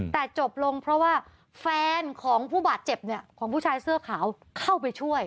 แต่จบลงเพราะว่าแฟนของผู้บาดเจ็บเนี่ยของผู้ชายเสื้อขาวเข้าไปช่วย